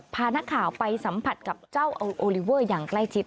พานักข่าวไปสัมผัสกับเจ้าโอลิเวอร์อย่างใกล้ชิด